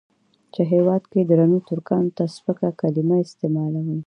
چې هېواد کې درنو ترکانو ته سپکه کليمه استعمالوي.